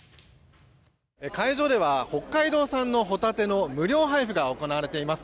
会場では北海道産のホタテの無料配布が行われています。